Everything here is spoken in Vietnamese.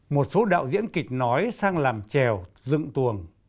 một số đạo diễn kịch nói sang làm trèo dựng tuồng